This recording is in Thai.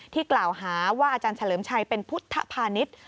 กล่าวหาว่าอาจารย์เฉลิมชัยเป็นพุทธภานิษฐ์